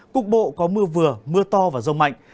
cục bộ có mưa vừa mưa to và rông mạnh